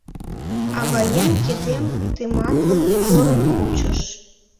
Аваем кидем тыматлын, порын кучыш.